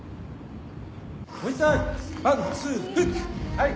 はい。